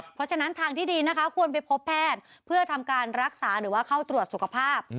เพราะฉะนั้นทางที่ดีนะคะควรไปพบแพทย์เพื่อทำการรักษาหรือว่าเข้าตรวจสุขภาพ